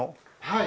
はい。